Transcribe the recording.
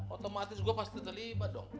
otomatis juga pasti terlibat dong